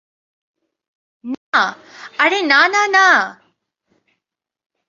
না -আরে না, না, না।